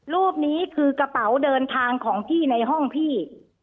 รูปนี้คือกระเป๋าเดินทางของพี่ในห้องพี่